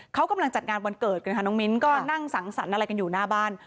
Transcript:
เขากำลังจัดงานวันเกิดกันค่ะน้องมิ้นก็นั่งสังสรรค์อะไรกันอยู่หน้าบ้าน